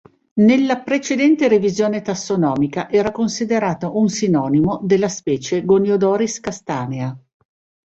Nella precedente revisione tassonomica era considerata un sinonimo della specie "Goniodoris castanea".